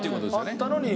あったのに。